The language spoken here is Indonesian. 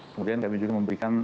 kemudian kami juga memberikan